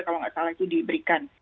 kalau nggak salah itu diberikan